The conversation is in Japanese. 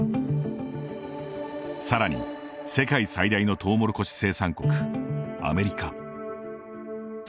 さらに、世界最大のトウモロコシ生産国アメリカ。